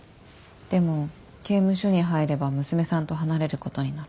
でも刑務所に入れば娘さんと離れることになる。